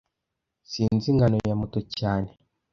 Sinzi ingano ya moto cyane